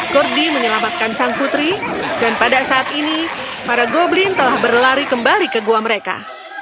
kurdi menyelamatkan sang putri dan pada saat ini para goblin telah berlari kembali ke gua mereka